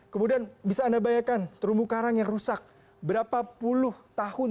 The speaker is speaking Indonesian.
kemudian bisa anda bayangkan terumbu karang yang rusak berapa puluh tahun